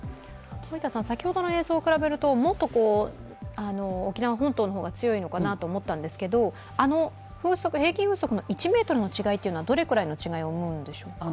先ほどの映像を比べると、もっと沖縄本島の方が強いのかなと思ったんですが平均風速の１メートルの違いというのは、どれぐらいの違いを生むんでしょうか？